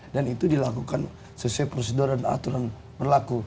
dan itu dilakukan sesuai prosedur dan aturan berlaku